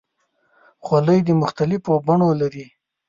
خولۍ د مختلفو بڼو لري.